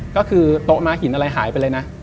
ก็คือโต๊ะม้าหินอะไรหายไปเลยนะ